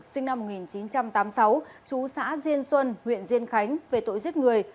sinh năm một nghìn chín trăm tám mươi sáu chú xã diên xuân huyện diên khánh về tội giết người